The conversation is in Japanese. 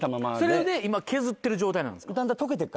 それで今削ってる状態なんですか？